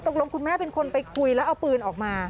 คุณแม่เป็นคนไปคุยแล้วเอาปืนออกมา